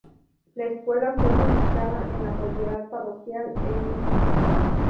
La escuela fue reubicada en la propiedad parroquial el mismo año.